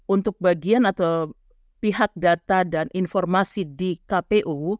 untuk bagian atau pihak data dan informasi di kpu